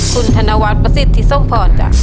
คุณธนวัลประสิทธิสมพรจ้ะ